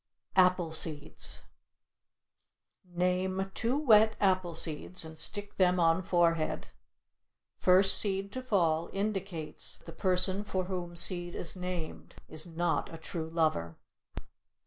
APPLE SEEDS Name two wet apple seeds and stick them on forehead. First seed to fall indicates that the person for whom seed is named is not a true lover.